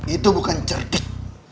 itu bukan cerdik